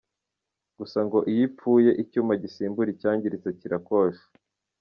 Gusa ngo iyo ipfuye, icyuma gisimbura icyangiritse kirakosha.